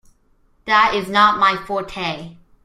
That is not my forte.